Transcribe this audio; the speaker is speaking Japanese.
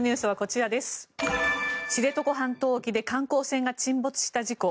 知床半島沖で観光船が沈没した事故。